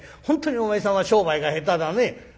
「本当にお前さんは商売が下手だね」。